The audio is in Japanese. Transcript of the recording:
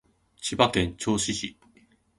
千葉県銚子市